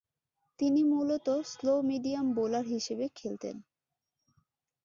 তিনি মূলতঃ slow medium bowler হিসেবে খেলতেন।